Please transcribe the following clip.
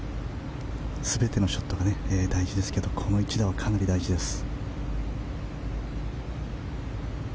全てのショットが大事ですけどこの一打はかなり大事です。